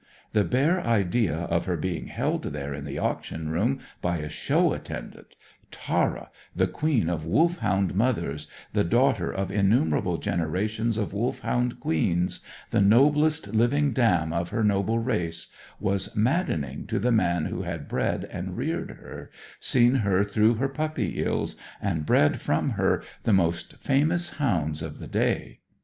The bare idea of her being held there in the auction room by a show attendant Tara, the queen of Wolfhound mothers, the daughter of innumerable generations of Wolfhound queens, the noblest living dam of her noble race was maddening to the man who had bred and reared her, seen her through her puppy's ills, and bred from her the most famous hounds of the day.